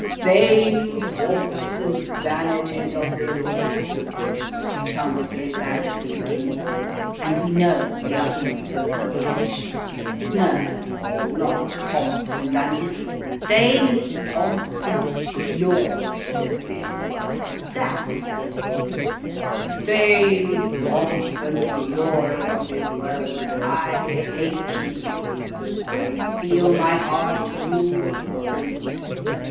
"'Vain pomps and vanities of this world,'" the Chancery Barrister begins, and we know we are in for a quotation. "No, not pomps and vanities. 'Vain pomps and glories of this world' (that's it) " "'Vain pomp and glory of this world, I hate ye. I feel my heart new opened.